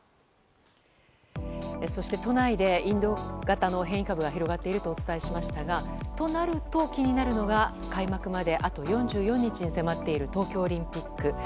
そして都内でインド型の変異株が広がっているとお伝えしましたがそうなると、気になってくるのが開幕まであと４４日に迫っている東京オリンピック。